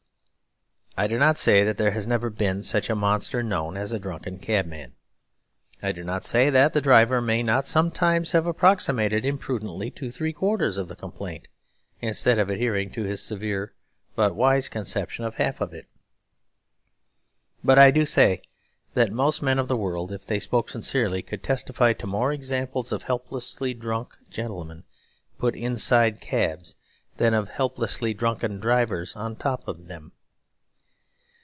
I do not say that there has never been such a monster known as a drunken cabman; I do not say that the driver may not sometimes have approximated imprudently to three quarters of the complaint, instead of adhering to his severe but wise conception of half of it. But I do say that most men of the world, if they spoke sincerely, could testify to more examples of helplessly drunken gentlemen put inside cabs than of helplessly drunken drivers on top of them.